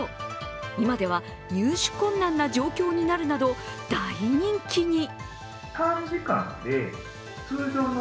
今では入手困難な状況になるなど大人気に。